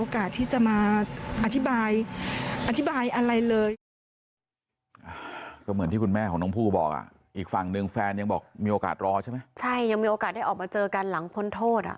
คือการหลังพ้นโทษ